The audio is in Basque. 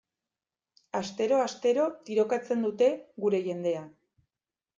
Astero-astero tirokatzen dute gure jendea.